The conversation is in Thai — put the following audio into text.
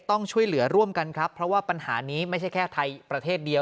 ต้องช่วยเหลือร่วมกันครับเพราะว่าปัญหานี้ไม่ใช่แค่ไทยประเทศเดียว